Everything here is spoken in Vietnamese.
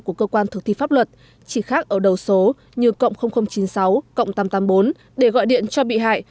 của cơ quan thực thi pháp luật chỉ khác ở đầu số như chín mươi sáu tám trăm tám mươi bốn để gọi điện cho bị hại